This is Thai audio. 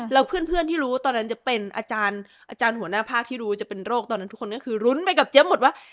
แล้วเพื่อนที่รู้ตอนนั้นจะเป็นอาจารย์หัวหน้าภาคที่รู้จะเป็นโรคตอนนั้นทุกคนก็คือรุ้นไปกับเจี๊ยหมดว่า